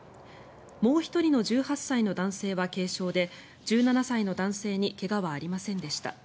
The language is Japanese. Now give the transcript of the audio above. もう１人の１８歳の男性は軽傷で１７歳の男性に怪我はありませんでした。